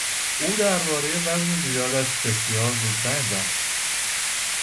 او دربارهی وزن زیادش بسیار زود رنج است.